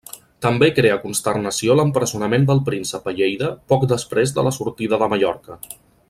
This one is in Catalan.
També crea consternació l’empresonament del Príncep a Lleida poc després de la sortida de Mallorca.